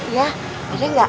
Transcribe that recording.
ya ada gak